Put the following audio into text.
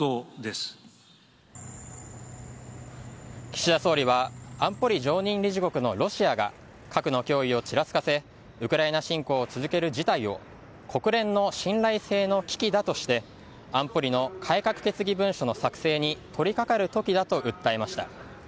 岸田総理は安保理常任理事国のロシアが核の脅威をちらつかせウクライナ侵攻を続ける事態を国連の信頼性の危機だとして安保理の改革決議文書の作成に取りかかる時だと訴えました。